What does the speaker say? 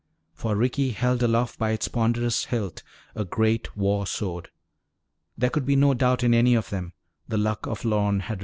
For Ricky held aloft by its ponderous hilt a great war sword. There could be no doubt in any of them the Luck of Lorne had returned.